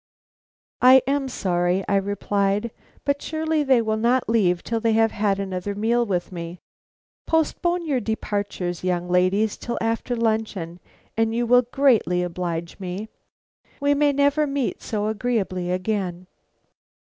"I am sorry," I replied, "but surely they will not leave till they have had another meal with me. Postpone your departure, young ladies, till after luncheon, and you will greatly oblige me. We may never meet so agreeably again."